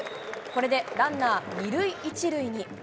これでランナー２塁１塁に。